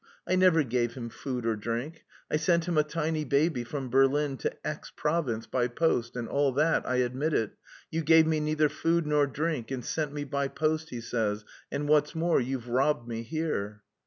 I never gave him food or drink, I sent him a tiny baby from Berlin to X province by post, and all that, I admit it.... 'You gave me neither food nor drink, and sent me by post,' he says, 'and what's more you've robbed me here.'"